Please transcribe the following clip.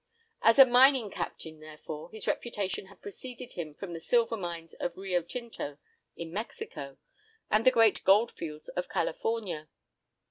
As a mining "Captain" therefore, his reputation had preceded him from the silver mines of Rio Tinto in Mexico and the great goldfields of California.